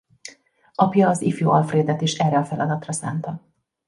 Apja az ifjú Alfredet is erre a feladatra szánta.